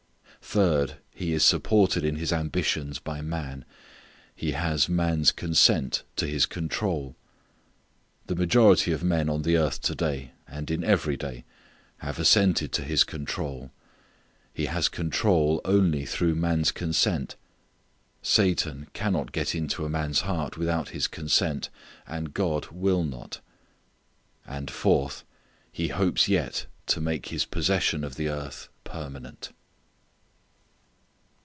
Third, he is supported in his ambitions by man. He has man's consent to his control. The majority of men on the earth to day, and in every day, have assented to his control. He has control only through man's consent. (Satan _can_not get into a man's heart without his consent, and God will not.) And, fourth, he hopes yet to make his possession of the earth permanent.